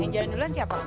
yang jalan duluan siapa